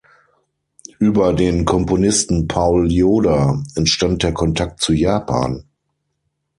Über den Komponisten Paul Yoder entstand der Kontakt zu Japan.